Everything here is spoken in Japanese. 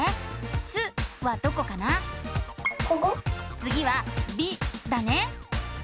つぎは「び」だね。